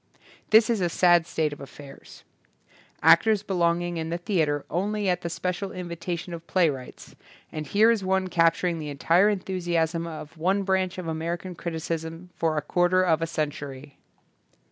This is a sad state of affairs. Actors belong in the theatre only at the special invita tion of playwrights; and here is one capturing the entire enthusiasm of one branch of American criticism for a quarter of a century.